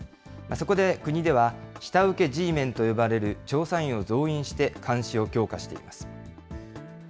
そこで国では、下請けＧメンと呼ばれる調査員を増員して、監視を強化しています。